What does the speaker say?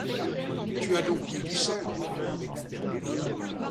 Tu as donc mis du sel!